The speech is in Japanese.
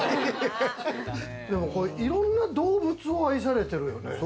いろんな動物を愛されてるよね。